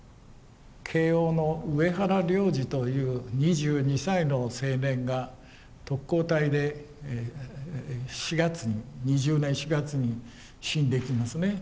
慶應の上原良司という２２歳の青年が特攻隊で４月に２０年４月に死んでいきますね。